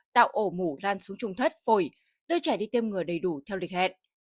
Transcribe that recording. tạo ổ mủ lan xuống trùng thất phổi đưa trẻ đi têm ngừa đầy đủ theo lịch hẹn